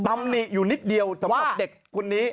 ตำหนิอยู่นิดเดียวสำหรับเด็กคนนี้